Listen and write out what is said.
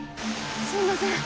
すみません